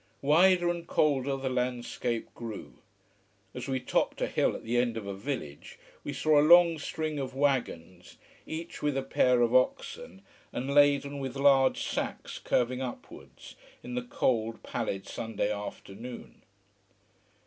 Wider and colder the landscape grew. As we topped a hill at the end of a village, we saw a long string of wagons, each with a pair of oxen, and laden with large sacks, curving upwards in the cold, pallid Sunday afternoon.